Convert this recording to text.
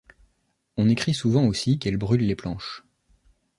On écrit souvent aussi qu’elle brûle les planches.